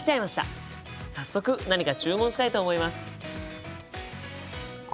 早速何か注文したいと思います。